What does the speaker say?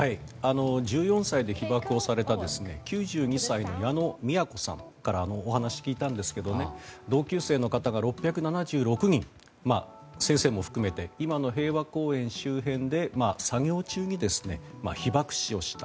１４歳で被爆をされた９２歳の矢野美耶古さんからお話を聞いたんですが同級生の方が６７６人先生も含めて今の平和公園周辺で作業中に被爆死をした。